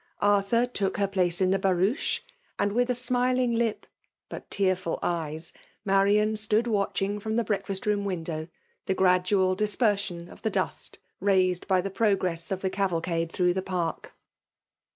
Arthur took hkr place ixi<tfaQ barouche: vaxA, with a« smiling lip but tearful ejea> Marian: stood' wfitchiiig £:om the b^pc^ddTast ioom. window die' gpmdual dispcuBion of the dust raised. by the progress of the cavalcade through* the park.